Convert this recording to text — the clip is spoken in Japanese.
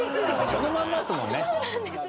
そのまんまですもんね。